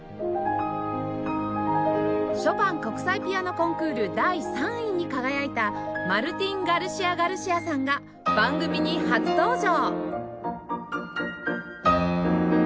ショパン国際ピアノコンクール第３位に輝いたマルティン・ガルシア・ガルシアさんが番組に初登場！